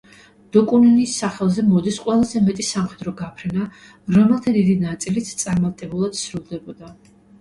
დოკუკინის სახელზე მოდის ყველაზე მეტი სამხედრო გაფრენა, რომელთა დიდი ნაწილიც წარმატებულად სრულდებოდა.